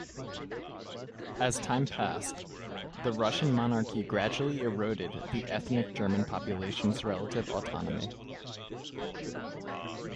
As time passed, the Russian monarchy gradually eroded the ethnic German population's relative autonomy.